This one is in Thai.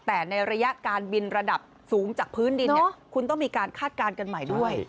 แต่ในระยะการบินระดับสูงจากพื้นดินคุณต้องมีการคาดการณ์กันใหม่ด้วย